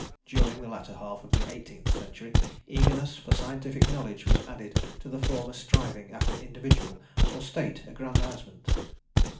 During the latter half of the eighteenth century eagerness for scientific knowledge was added to the former striving after individual or State aggrandizement.